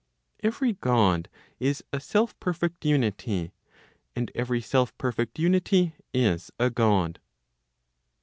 Every God is a self perfect unity, and every self perfect unity is a God.